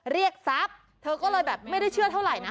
เรียกทรัพย์เธอก็เลยแบบไม่ได้เชื่อเท่าไหร่นะ